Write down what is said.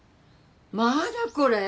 まだこれ？